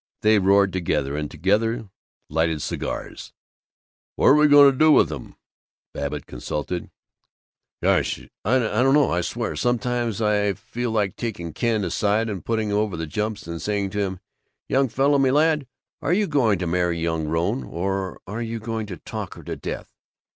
They roared together, and together lighted cigars. "What are we going to do with 'em?" Babbitt consulted. "Gosh, I don't know. I swear, sometimes I feel like taking Ken aside and putting him over the jumps and saying to him, 'Young fella me lad, are you going to marry young Rone, or are you going to talk her to death?